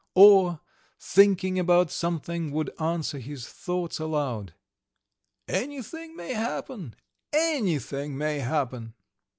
Or, thinking about something, would answer his thoughts aloud: "Anything may happen! Anything may happen!"